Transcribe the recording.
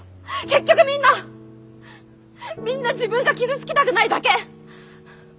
結局みんなみんな自分が傷つきたくないだけ。